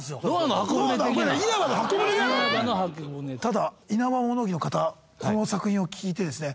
ただイナバ物置の方この作品を聞いてですね。